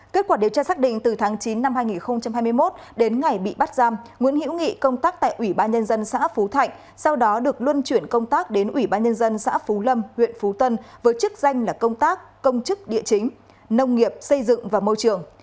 kết quả điều tra xác định từ tháng chín năm hai nghìn hai mươi một đến ngày bị bắt giam nguyễn hữu nghị công tác tại ủy ban nhân dân xã phú thạnh sau đó được luân chuyển công tác đến ủy ban nhân dân xã phú lâm huyện phú tân với chức danh là công tác công chức địa chính nông nghiệp xây dựng và môi trường